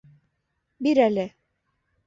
Бир әле!..